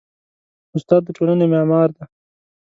استاد د ټولنې معمار دی.